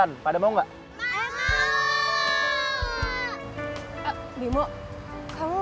jangan bunuh kakak mu